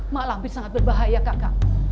malampir sangat berbahaya kakak